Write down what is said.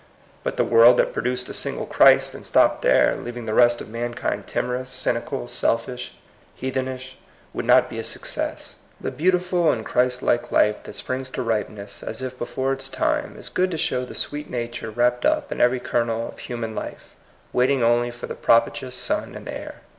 But the world that produced a single Christ and stopped there, leaving the rest of mankind timorous, cyni cal, selfish, heathenish, would not be a suc cess. The beautiful and Christ like life that springs to ripeness, as if before its time, is good to show the sweet nature wrapped up in every kernel of human life, waiting only for the propitious sun and air.